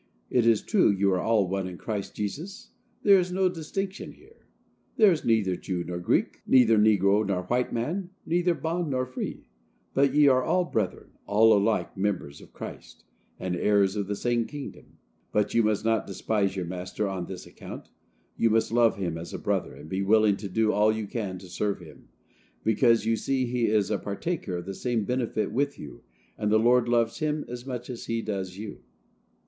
It is true you are all one in Christ Jesus; there is no distinction here; there is neither Jew nor Greek, neither negro nor white man, neither bond nor free, but ye are all brethren,—all alike members of Christ, and heirs of the same kingdom; but you must not despise your master on this account. You must love him as a brother, and be willing to do all you can to serve him; because you see he is a partaker of the same benefit with you, and the Lord loves him as much as he does you."